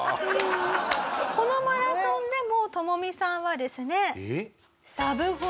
このマラソンでもトモミさんはですね。